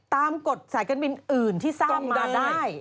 กฎสายการบินอื่นที่สร้างมาได้